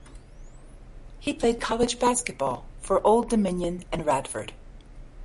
He played college basketball for Old Dominion and Radford.